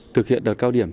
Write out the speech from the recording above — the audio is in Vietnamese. thực hiện đợt cao điểm